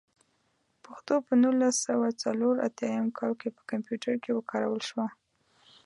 پښتو په نولس سوه څلور اتيايم کال کې په کمپيوټر کې وکارول شوه.